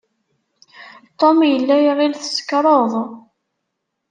Tom yella iɣill tsekṛeḍ.